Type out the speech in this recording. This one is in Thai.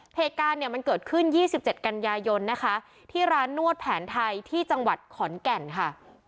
เหตุการณ์เนี่ยมันเกิดขึ้น๒๗กันยายนนะคะที่ร้านนวดแผนไทยที่จังหวัดขอนแก่นค่ะ